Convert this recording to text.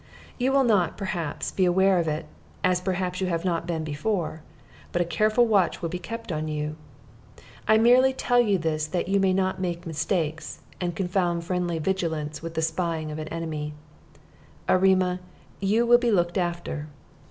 You will not, perhaps, be aware of it, as perhaps you have not been before; but a careful watch will be kept on you. I merely tell you this that you may not make mistakes, and confound friendly vigilance with the spying of an enemy. Erema, you will be looked after."